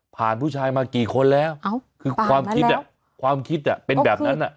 ผ่านผู้ชายมากี่คนแล้วเอ้าคือความคิดความคิดอ่ะเป็นแบบนั้นอ่ะ